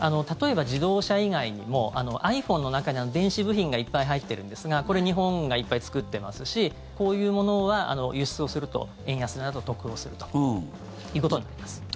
例えば自動車以外にもｉＰｈｏｎｅの中に電子部品がいっぱい入ってるんですがこれ、日本がいっぱい作ってますしこういうものは輸出をすると円安になると得をするということになります。